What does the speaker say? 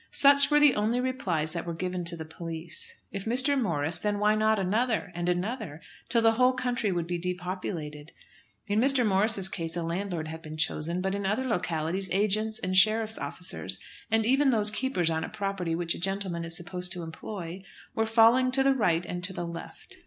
Such were the only replies that were given to the police. If Mr. Morris, then why not another and another till the whole country would be depopulated? In Mr. Morris's case a landlord had been chosen; but in other localities agents and sheriffs' officers, and even those keepers on a property which a gentleman is supposed to employ, were falling to the right and to the left.